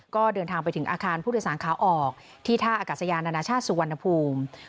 ก็เดินทางไปถึงอาคารผู้โดยสารขาออกที่ท่าอากาศยานานาชาติสุวรรณภูมิ